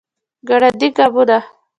ګړندي ګامونه